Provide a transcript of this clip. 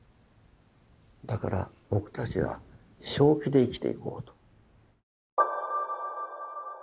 だから僕たちは「正気」で生きていこうと。